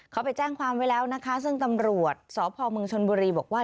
ขอไปแจ้งความวิเคราะห์ซึ่งตำรวจสมชนบุรีบอกว่า